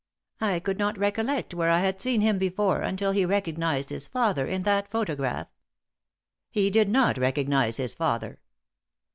I could not recollect where I had seen him before until he recognised his father in that photograph " "He did not recognize his father."